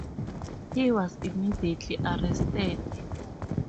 He was immediately arrested.